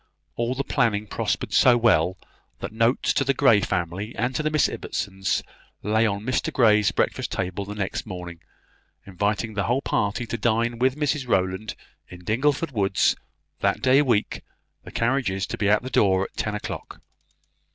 All the planning prospered so well, that notes to the Grey family and to the Miss Ibbotsons lay on Mr Grey's breakfast table the next morning, inviting the whole party to dine with Mrs Rowland in Dingleford woods, that day week the carriages to be at the door at ten o'clock.